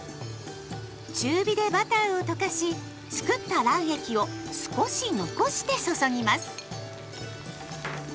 中火でバターを溶かし作った卵液を少し残して注ぎます。